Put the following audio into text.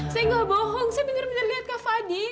saya nggak bohong saya benar benar lihat kak fadil